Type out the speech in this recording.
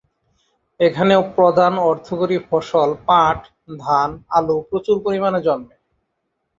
এখানে প্রধান অর্থকরী ফসল পাট, ধান, আলু প্রচুর পরিমানে জন্মে।